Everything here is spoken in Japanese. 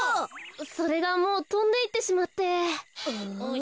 それがもうとんでいってしまって。